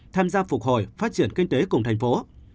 tham gia phục hồi phát triển kinh tế cùng thành phố